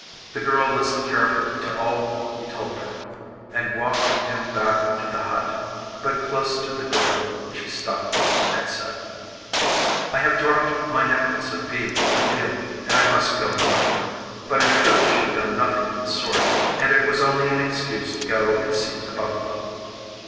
The girl listened carefully to all he told her, and walked with him back to the hut; but close to the door she stopped, and said: 'I have dropped my necklace of beads in the field, and I must go and look for it.' But in truth she had done nothing of the sort, and it was only an excuse to go and seek the buffalo.